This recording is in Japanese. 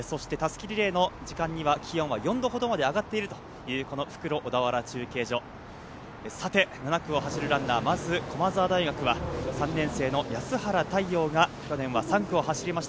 そして襷リレーの時間には気温は４度ほどまで上がっているというこの復路・小田原中継所、さて７区を走るランナー、まずは駒澤大学は３年生の安原太陽が、去年は３区を走りました。